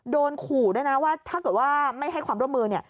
โดนขู่ด้วยนะว่าถ้าเกิดว่าไม่ให้ความร่วมมือเนี่ย